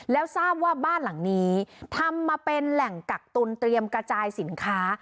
แล้วทราบว่าบ้านหลังนี้ทำมาเป็นแหล่งกักตุลเตรียมกระจายสินค้า